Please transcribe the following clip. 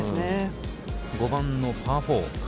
５番のパー４。